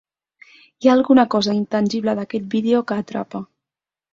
Hi ha alguna cosa intangible d’aquest vídeo que atrapa.